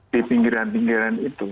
di pinggiran jalan ini